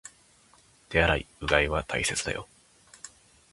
手洗い、うがいは大切だよ